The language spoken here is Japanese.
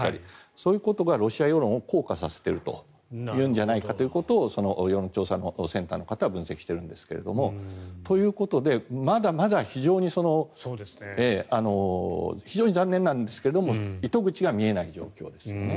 そういうことがロシア世論を硬化させているんじゃないかということをその世論調査のセンターの方は分析しているんですがということでまだまだ非常に残念なんですけど糸口が見えない状況ですね。